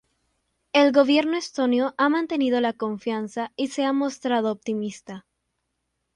El gobierno estonio ha mantenido la confianza y se ha mostrado optimista.